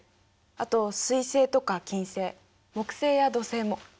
あと水星とか金星木星や土星も。